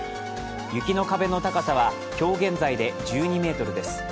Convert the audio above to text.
雪の壁の高さは今日現在で１２ｍです。